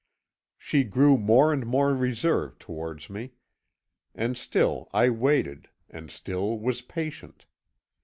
"She grew more and more reserved towards me; and still I waited, and still was patient.